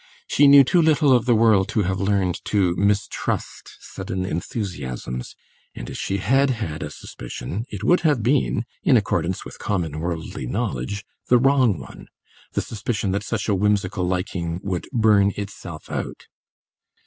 She knew too little of the world to have learned to mistrust sudden enthusiasms, and if she had had a suspicion it would have been (in accordance with common worldly knowledge) the wrong one the suspicion that such a whimsical liking would burn itself out.